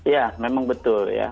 ya memang betul ya